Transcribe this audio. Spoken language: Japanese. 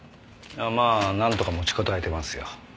まあなんとか持ちこたえてますよ。